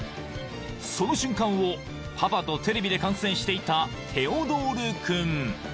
［その瞬間をパパとテレビで観戦していたテオドール君］